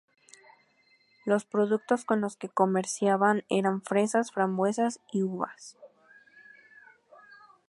Los productos con los que comerciaban eran fresas, frambuesas y uvas.